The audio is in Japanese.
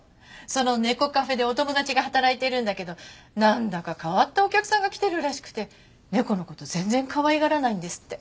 その猫カフェでお友達が働いているんだけどなんだか変わったお客さんが来てるらしくて猫の事全然かわいがらないんですって。